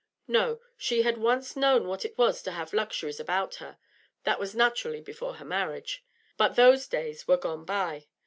No, she had once known what it was to have luxuries about her (that was naturally before her marriage), but those days were gone by.